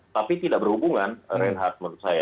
tapi tidak berhubungan reinhard menurut saya